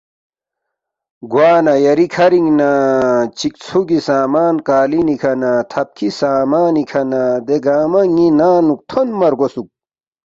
گوانہ یری کَھرِنگ نہ چِک ژُھوگی سامان قالینی کھہ نہ تھبکھی سامانی کھہ نہ دے گنگمہ ن٘ی ننگ نُو تھونما رگوسُوک